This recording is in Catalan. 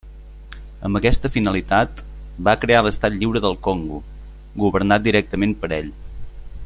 Amb aquesta finalitat, va crear l'Estat Lliure del Congo, governat directament per ell.